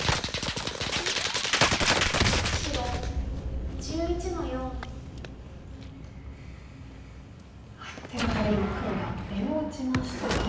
白１１の四。ということで今黒が出を打ちましたが。